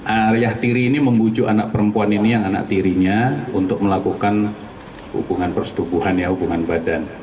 arya tiri ini membujuk anak perempuan ini yang anak tirinya untuk melakukan hubungan persetubuhan ya hubungan badan